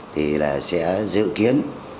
thì sẽ dự kiến